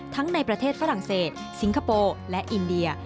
ในประเทศฝรั่งเศสสิงคโปร์และอินเดีย